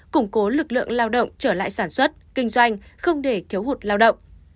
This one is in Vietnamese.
củng cố lực lượng lao động trở lại sản xuất kinh doanh không để thiếu hụt lao động